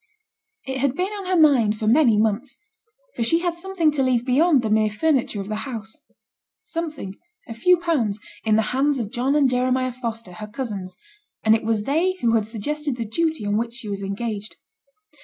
It had been on her mind for many months; for she had something to leave beyond the mere furniture of the house. Something a few pounds in the hands of John and Jeremiah Foster, her cousins: and it was they who had suggested the duty on which she was engaged.